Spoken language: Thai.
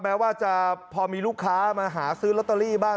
แม้ว่าจะพอมีลูกค้ามาหาซื้อลอตเตอรี่บ้าง